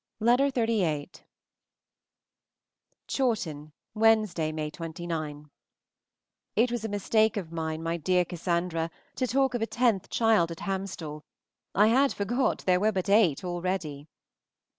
XXXVIII. CHAWTON, Wednesday (May 29). IT was a mistake of mine, my dear Cassandra, to talk of a tenth child at Hamstall. I had forgot there were but eight already.